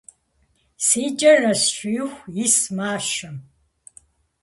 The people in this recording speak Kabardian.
- Си кӏэр нэсшииху ис мащэм.